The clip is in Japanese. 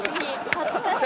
恥ずかしい。